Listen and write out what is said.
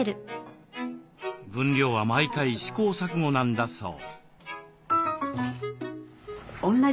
分量は毎回試行錯誤なんだそう。